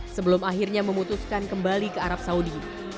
sebelum akhirnya memutuskan kembali ke arab saudi